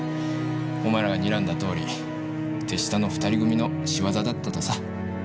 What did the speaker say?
お前らがにらんだとおり手下の２人組の仕業だったとさ。